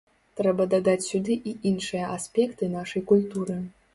Трэба дадаць сюды і іншыя аспекты нашай культуры.